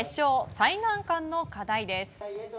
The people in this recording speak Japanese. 最難関の課題です。